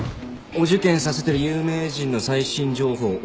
お受験させてる有名人の最新情報。